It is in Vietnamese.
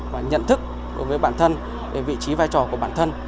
và nhận thức đối với bản thân về vị trí vai trò của bản thân